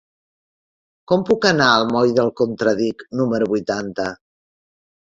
Com puc anar al moll del Contradic número vuitanta?